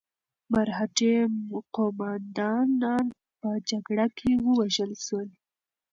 مرهټي قوماندانان په جګړه کې ووژل شول.